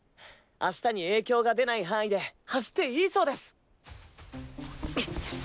明日に影響が出ない範囲で走っていいそうです。